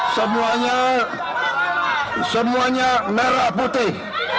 semuanya semuanya merah putih